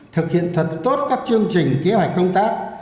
thực hiện thật tốt các chương trình kế hoạch công tác